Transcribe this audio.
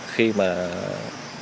khi mà bị bệnh em sẽ đưa em về nhà